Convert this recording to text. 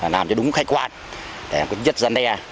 làm cho đúng khách quan nhất dân đe